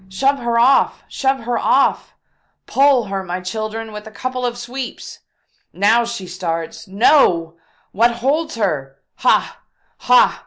Shove her off! Shove her off! Pole her, my children, with a couple of sweeps !"" Now she starts. No I What holds her? Ha! ha!